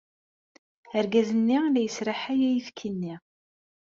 Argaz-nni la yesraḥay ayefki-nni.